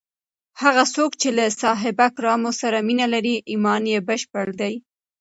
هغه څوک چې له صحابه کرامو سره مینه لري، ایمان یې بشپړ دی.